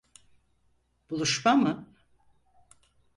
Buluşma mı?